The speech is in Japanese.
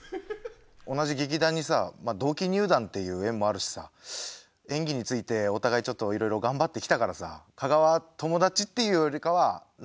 同じ劇団にさまあ同期入団っていう縁もあるしさ演技についてお互いちょっといろいろ頑張ってきたからさ加賀は友達っていうよりかはライバルかな。